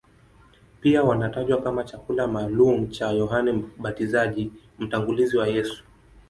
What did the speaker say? Pia wanatajwa kama chakula maalumu cha Yohane Mbatizaji, mtangulizi wa Yesu.